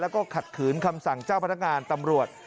แล้วก็ขัดขืนคำสั่งเจ้าพนักงานตำรวจ